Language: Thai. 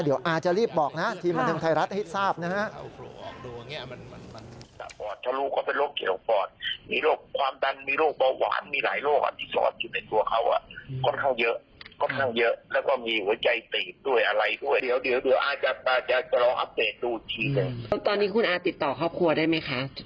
เดี๋ยวอาจะรีบบอกนะทีมันธรรมไทยรัฐอาทิตย์ทราบนะฮะ